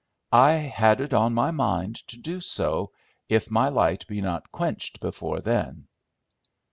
"I had it on my mind to do so, if my light be not quenched before then."